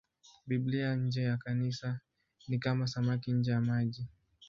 Biblia nje ya Kanisa ni kama samaki nje ya maji.